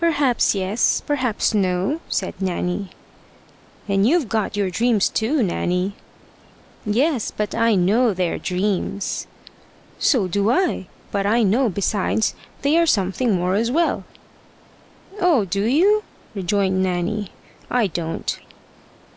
"Perhaps yes, perhaps no," said Nanny. "And you've got your dreams, too, Nanny." "Yes, but I know they're dreams." "So do I. But I know besides they are something more as well." "Oh! do you?" rejoined Nanny. "I don't."